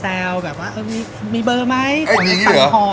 แล้วเขาก็บอกไม่ได้ให้ค่อยเป็นเหรอ